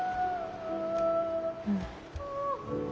うん。